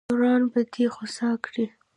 درون به دې خوسا کړي.